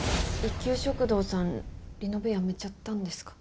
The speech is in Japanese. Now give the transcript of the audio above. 一休食堂さんリノベやめちゃったんですか。